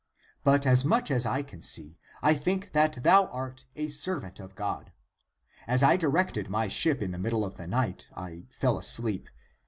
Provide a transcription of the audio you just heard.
But as much as I can see, I think that thou art a servant of God. As I directed my ship in the middle of the night, I fell asleep.